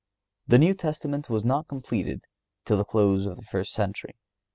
The New Testament was not completed till the close of the first century.